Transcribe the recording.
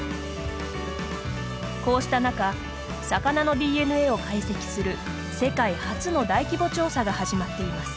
こうした中魚のＤＮＡを解析する世界初の大規模調査が始まっています。